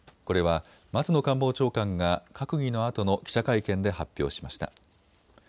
これは松野官房長官が閣議のあとの記者会見で発表しました。